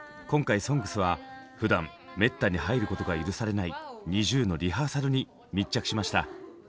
今回「ＳＯＮＧＳ」はふだんめったに入ることが許されないＮｉｚｉＵのリハーサルに密着しました。